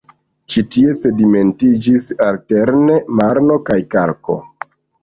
Ĉi tie sedimentiĝis alterne marno kaj kalko.